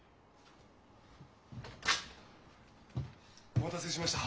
お待たせしました。